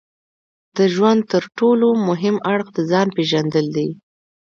د ژوند ترټولو مهم اړخ د ځان پېژندل دي.